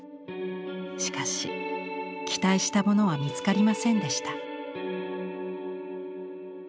しかし期待したものは見つかりませんでした。